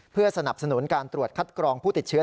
เพื่อสนับสนุนการตรวจคัดกรองผู้ติดเชื้อ